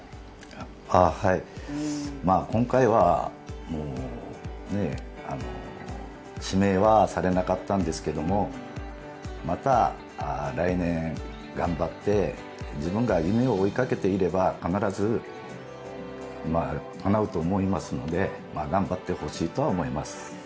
今回は指名はされなかったんですけど、また来年頑張って、自分が夢を追いかけていれば必ずかなうと思いますので頑張ってほしいとは思います。